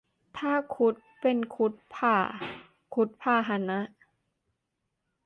ถ้า ครุฑ เป็น ครุฑพ่าห์ ครุฑพาหนะ